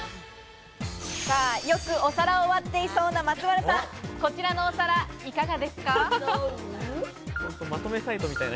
よくお皿を割っていそうな松丸さん、こちらのお皿いかがですか？